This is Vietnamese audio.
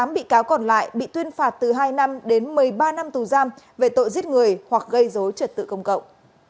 một mươi bị cáo còn lại bị tuyên phạt từ hai năm đến một mươi ba năm tù giam về tội giết người hoặc gây dối trật tự công cộng